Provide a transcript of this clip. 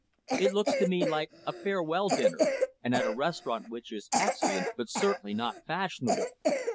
It looks to me like a farewell dinner, and at a restaurant which is excellent, but certainly not fashionable.